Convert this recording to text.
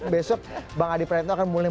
besok bang adi praetno akan mulai